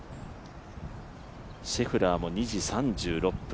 シェフラーも２時３６分。